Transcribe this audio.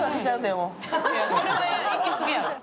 いや、それはいきすぎやろ。